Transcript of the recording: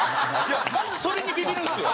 まずそれにビビるんですよ。